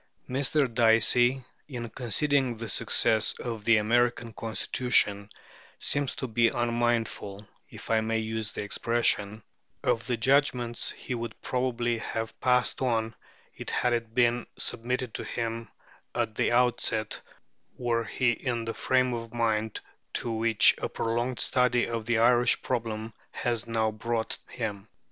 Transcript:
Mr. Dicey, in conceding the success of the American Constitution, seems to me unmindful, if I may use the expression, of the judgments he would probably have passed on it had it been submitted to him at the outset were he in the frame of mind to which a prolonged study of the Irish problem has now brought him.